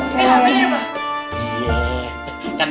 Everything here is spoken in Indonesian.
duduk ya pak